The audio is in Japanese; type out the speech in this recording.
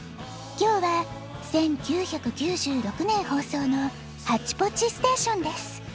きょうは１９９６ねんほうそうの「ハッチポッチステーション」です。